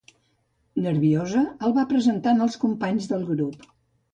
Nerviosa, el va presentant als companys del grup.